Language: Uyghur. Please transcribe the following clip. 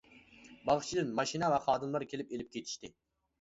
باغچىدىن ماشىنا ۋە خادىملار كېلىپ ئېلىپ كېتىشتى.